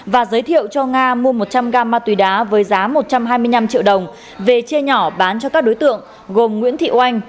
và giới thiệu cho nga mua một trăm linh g ma túy đá với giá một trăm hai mươi năm triệu đồng về chia nhỏ bán cho các đối tượng gồm nguyễn thị oanh